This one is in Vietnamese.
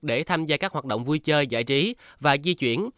để tham gia các hoạt động vui chơi giải trí và di chuyển